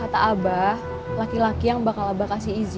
kata abah laki laki yang bakal abah kasih izin